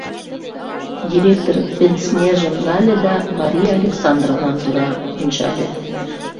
Директор пенснежым нале да Мария Александровнам тура ончале.